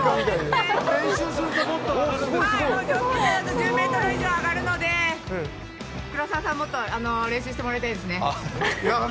１０ｍ以上上がるものなので黒澤さん、もっと練習してもらいたいですね。